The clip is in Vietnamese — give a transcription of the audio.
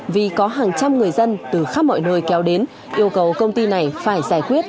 vì có hàng trăm người dân từ khắp mọi nơi kéo đến yêu cầu công ty này phải giải quyết